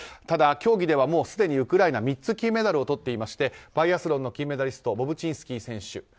ただ、競技ではすでにウクライナ３つ金メダルをとっていましてバイアスロンの金メダリストボブチンスキー選手。